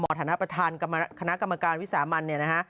หมอฐประธานคณะกรรมการวิสามัน